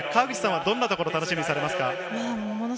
どんなところを楽しみにされますか？